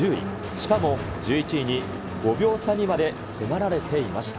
しかも１１位に５秒差にまで迫られていました。